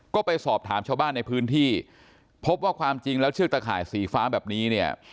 ก็ไปสอบถามชาวบ้านในพื้นที่พบว่าความจริงแล้วเชือกตะข่ายสีฟ้าแบบนี้เนี่ย